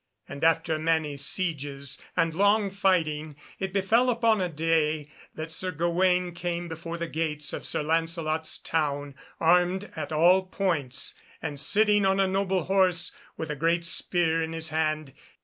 And after many sieges and long fighting it befell upon a day, that Sir Gawaine came before the gates of Sir Lancelot's town, armed at all points, and sitting on a noble horse, with a great spear in his hand.